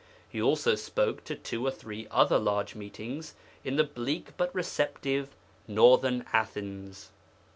He also spoke to two or three other large meetings in the bleak but receptive 'northern Athens.'